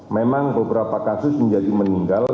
memang beberapa kasus menjadi meninggal